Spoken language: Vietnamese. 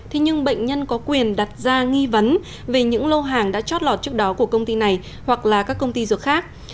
thế nhưng bệnh nhân có quyền đặt ra nghi vấn về những lô hàng đã chót lọt trước đó của công ty này hoặc là các công ty dược khác